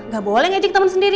gak boleh ngejek teman sendiri